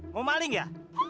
mau maling ya